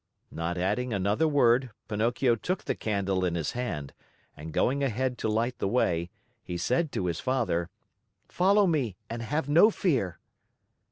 Not adding another word, Pinocchio took the candle in his hand and going ahead to light the way, he said to his father: "Follow me and have no fear."